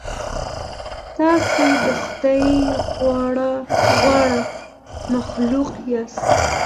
تاسې د خدای غوره مخلوق یاست.